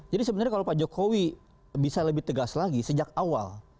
jadi sebenarnya kalau pak jokowi bisa lebih tegas lagi sejak awal